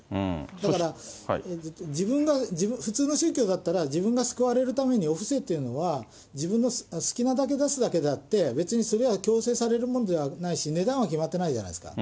だから、普通の宗教だったら、自分が救われるためにお布施っていうのは、自分の好きなだけ出すだけであって、別にそれは強制されるものではないし、値段は決まってないじゃないですか。